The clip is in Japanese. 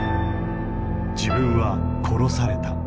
自分は殺された。